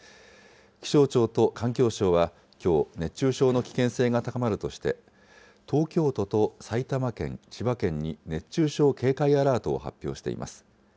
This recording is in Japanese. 気象庁と環境省はきょう、熱中症の危険性が高まるとして、東京都と埼玉県、千葉県に熱中症警戒アラートを発表しています。